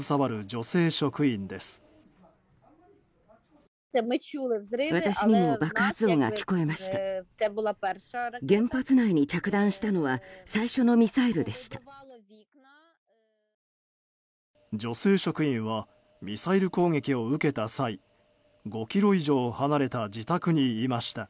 女性職員はミサイル攻撃を受けた際５ｋｍ以上離れた自宅にいました。